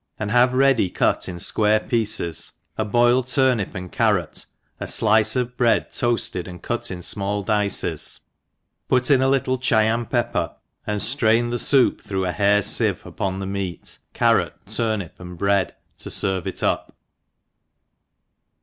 and have ready cut in fquare pieces^ a boiled turnip and carroty a flice of bread toafled and cut in fmall dipes» put in a little Chyan pepper, and ftrain the foup through a hair ficve upon the mckt, carrot, tur nip, and bread, to ferve it D;p.